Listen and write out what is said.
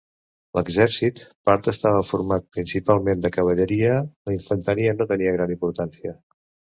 L'exèrcit part estava format principalment de cavalleria, la infanteria no tenia gran importància.